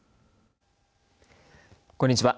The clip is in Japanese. こんにちは。